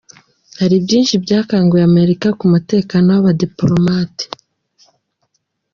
Hari byinshi byakanguye Amerika ku mutekano w’abadipolomate.